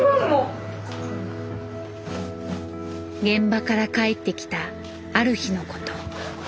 現場から帰ってきたある日のこと。